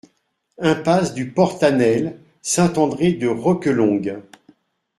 Impasse du Portanel, Saint-André-de-Roquelongue